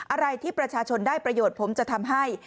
อะไรที่ประชาชนได้ประโยชน์ผมจะทำให้